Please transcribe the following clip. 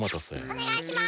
おねがいします。